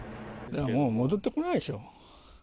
もう戻ってこないでしょ。